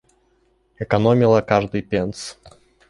Экономила каждый пенс.